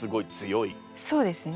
そうですね。